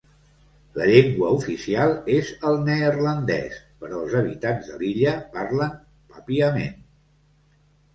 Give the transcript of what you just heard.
La llengua oficial és el neerlandès, però els habitants de l'illa parlen papiament.